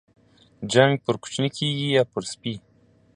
جنگ پر کوچني کېږي ، يا پر سپي.